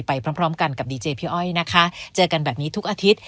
พร้อมพร้อมกันกับดีเจพี่อ้อยนะคะเจอกันแบบนี้ทุกอาทิตย์